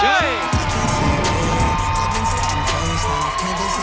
กระโดด